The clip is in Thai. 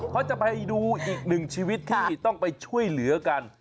เขาจะไปดูอีกหนึ่งชีวิตที่ต้องไปช่วยเหลือกัน